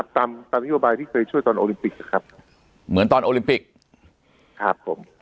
ตามตามนโยบายที่เคยช่วยตอนโอลิมปิกนะครับเหมือนตอนโอลิมปิกครับผม